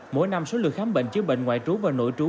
mỗi năm số lượt khám bệnh chứa bệnh ngoại trú và nội trú